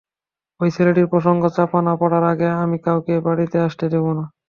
ঐ ছেলেটির প্রসঙ্গ চাপা না-পড়ার আগে আমি কাউকে এ-বাড়িতে আসতে দেব না।